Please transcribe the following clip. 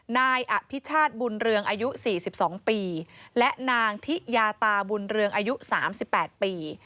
นายอภิชาติบุญเรืองอายุ๔๒ปีและนางทิยาตาบุญเรืองอายุ๓๘ปี